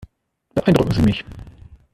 Beeindrucken Sie mich.